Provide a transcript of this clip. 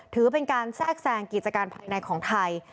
ถือเป็นการแทรกแซงกิจการภายในของไทย